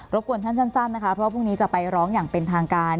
กวนท่านสั้นนะคะเพราะว่าพรุ่งนี้จะไปร้องอย่างเป็นทางการ